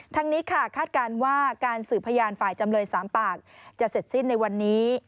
ทั้งนี้ค่ะคาดการณ์ว่าการสืบพยานฝ่ายจำเลย๓ปากจะเสร็จสิ้นในวันนี้